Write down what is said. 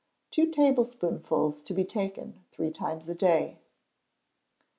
Two tablespoonfuls to be taken three times a day.